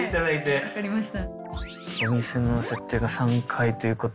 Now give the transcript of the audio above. はい分かりました。